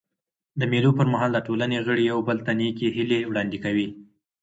د مېلو پر مهال د ټولني غړي یو بل ته نېکي هیلي وړاندي کوي.